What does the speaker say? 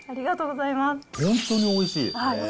本当においしい。